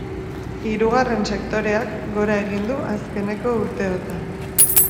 Hirugarren sektoreak gora egin du azkeneko urteotan.